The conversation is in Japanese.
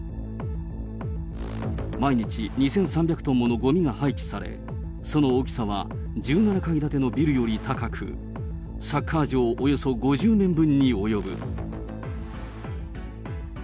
毎日２３００トンものごみが廃棄され、その大きさは１７階建てのビルより高く、サッカー場およそ５０面分に及ぶ。